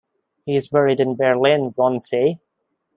He is buried in Berlin-Wannsee.